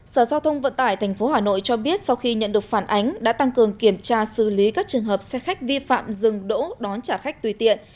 sở giao thông vận tải tp hà nội cho biết sau khi nhận được phản ánh đã tăng cường kiểm tra xử lý các trường hợp xe khách vi phạm dừng đỗ đón trả khách tùy tiện